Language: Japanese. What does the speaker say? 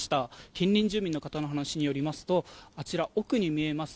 近隣住民の方の話によりますと奥に見えます